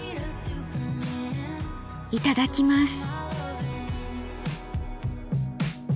いただきます。